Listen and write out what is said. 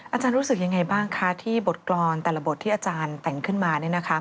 อาจารย์รู้สึกยังไงบ้างคะที่บทกรรมแต่ละบทที่อาจารย์แต่งขึ้นมา